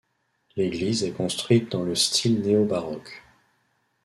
L'église est construite dans le style néo-baroque.